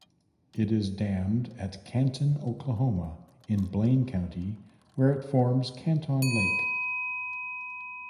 It is dammed at Canton, Oklahoma in Blaine County where it forms Canton Lake.